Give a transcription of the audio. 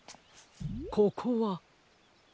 ここは。